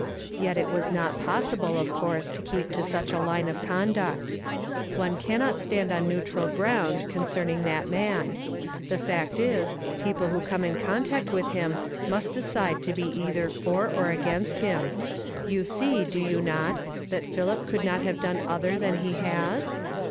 Yet it was not possible, of course, to keep to such a line of conduct. One cannot stand on neutral ground concerning that man. The fact is, people who come in contact with him nuist decide to be either for or against him. You see, do you not, that Philip could not have done other than he has